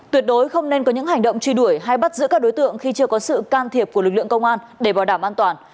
tuyệt đối không nên có những hành động truy đuổi hay bắt giữ các đối tượng khi chưa có sự can thiệp của lực lượng công an để bảo đảm an toàn